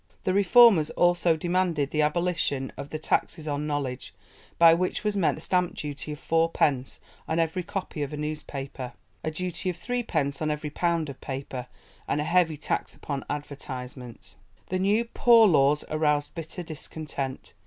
The reformers also demanded the abolition of the 'taxes on knowledge,' by which was meant the stamp duty of fourpence on every copy of a newspaper, a duty of threepence on every pound of paper, and a heavy tax upon advertisements. The new Poor Laws aroused bitter discontent.